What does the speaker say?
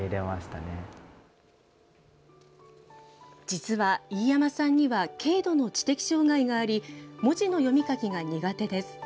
実は、飯山さんには軽度の知的障害があり文字の読み書きが苦手です。